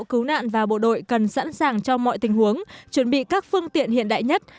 cứu nạn và bộ đội cần sẵn sàng cho mọi tình huống chuẩn bị các phương tiện hiện đại nhất